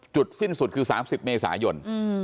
สิ้นสุดคือ๓๐เมษายน